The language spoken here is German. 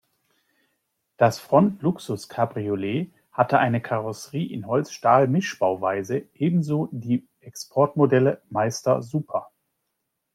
Das „Front Luxus Cabriolet“ hatte eine Karosserie in Holz-Stahl-Mischbauweise, ebenso die Export-Modelle „Meister Super“.